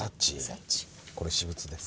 これ私物です。